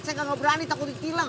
saya nggak berani takut ditilang